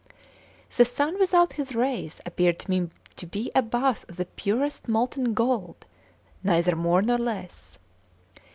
The sun without his rays appeared to me to be a bath of the purest molten gold, neither more nor less.